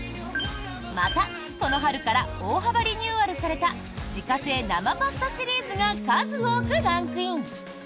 また、この春から大幅リニューアルされた自家製生パスタシリーズが数多くランクイン！